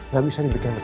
gak bisa dibikin benar